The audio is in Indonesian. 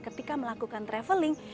ketika melakukan traveling